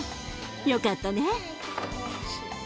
よかったね。